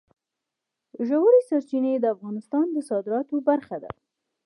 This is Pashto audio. ژورې سرچینې د افغانستان د صادراتو برخه ده.